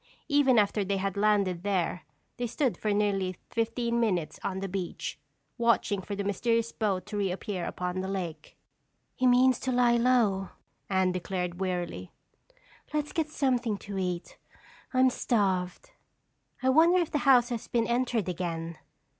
Even after they had landed there, they stood for nearly fifteen minutes on the beach, watching for the mysterious boat to reappear upon the lake. "He means to lie low," Anne declared wearily. "Let's get something to eat. I'm starved." "I wonder if the house has been entered again?"